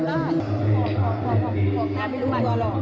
ก็รูปอุตสำนักแบบให้ได้ค่ะ